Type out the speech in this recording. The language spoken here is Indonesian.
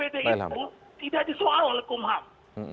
rancangan pkpu dpd itu tidak disoal oleh kumam